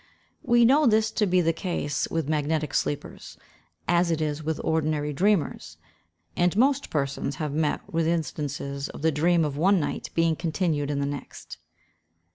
We know this to be the case with magnetic sleepers, as it is with ordinary dreamers; and most persons have met with instances of the dream of one night being continued in the next.